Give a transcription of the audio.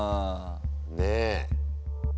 ねえ。